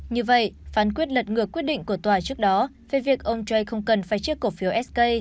như vậy phán quyết lật ngược quyết định của tòa trước đó về việc ông chay không cần phải chiếc cổ phiếu sk